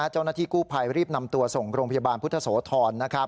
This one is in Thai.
เจ้าหน้าที่กู้ภัยรีบนำตัวส่งโรงพยาบาลพุทธโสธร